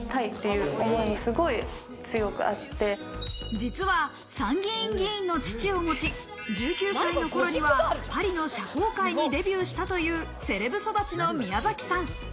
実は参議院議員の父を持ち、１９歳の頃にはパリの社交界にデビューしたというセレブ育ちの宮崎さん。